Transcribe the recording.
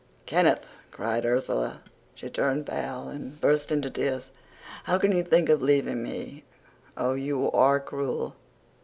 "'Kenneth!' cried Ursula. She turned pale and burst into tears. 'How can you think of leaving me? Oh, you are cruel!